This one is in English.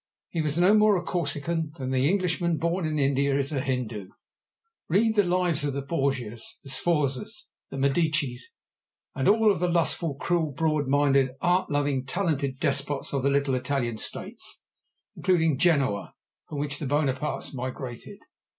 He was no more a Corsican than the Englishman born in India is a Hindoo. Read the lives of the Borgias, the Sforzas, the Medicis, and of all the lustful, cruel, broad minded, art loving, talented despots of the little Italian States, including Genoa, from which the Buonapartes migrated.